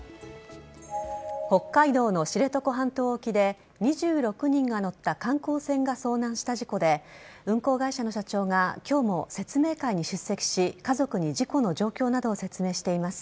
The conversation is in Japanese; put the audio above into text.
北海道の知床半島沖で２６人が乗った観光船が遭難した事故で運航会社の社長が今日も説明会に出席し家族に事故の状況などを説明しています。